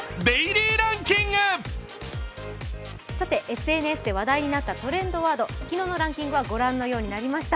ＳＮＳで話題になったトレンドワード昨日のランキングはご覧のようになりました。